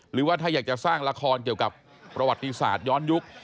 หรือว่าถ้าอยากจะสร้างละครเกี่ยวกับประวัติศาสตร์ย้อนยุค